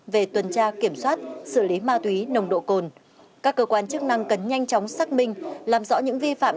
về tuần tra kiểm soát xử lý ma túy nồng độ cồn các cơ quan chức năng cần nhanh chóng xác minh làm rõ những vi phạm